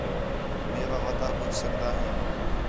مِیوا وتا پُچھ سڳدا ہیں